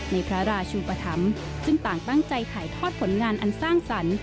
ในพระราชูปธรรมซึ่งต่างตั้งใจถ่ายทอดผลงานอันสร้างสรรค์